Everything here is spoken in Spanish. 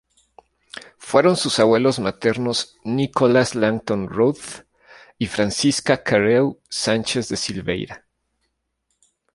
Fueron sus abuelos maternos Nicholas Langton Rothe y Francisca Carew Sánchez de Silveira.